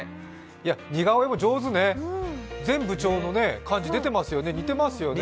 似顔絵も上手ね、全部感じが出てますよね、似てますよね。